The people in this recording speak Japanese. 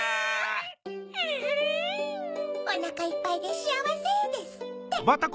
「おなかいっぱいでしあわせ」ですって！